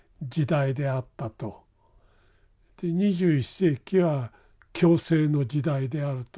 で２１世紀は共生の時代であると。